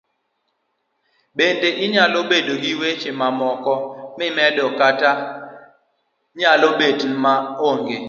Bende inyalo bedo gi weche mamoko mimedo kata nyalo betma onge